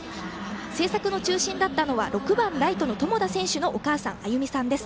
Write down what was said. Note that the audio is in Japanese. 製作の中心になったのは６番ライトの友田選手のお母さんあゆみさんです。